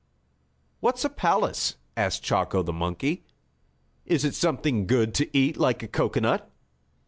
"What's a palace?" asked Chako, the monkey. "Is it something good to eat, like a cocoanut?"